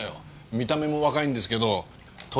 見た目も若いんですけど年